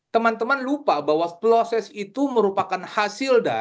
teman teman lupa bahwa proses itu merupakan hasil dari